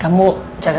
kamu jaga kesehatan ya